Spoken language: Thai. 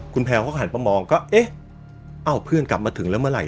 คุณแพลวเขาก็หันมามองก็เอ๊ะเอ้าเพื่อนกลับมาถึงแล้วเมื่อไห